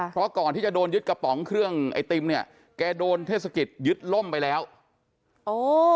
เพราะก่อนที่จะโดนยึดกระป๋องเครื่องไอติมเนี่ยแกโดนเทศกิจยึดล่มไปแล้วโอ้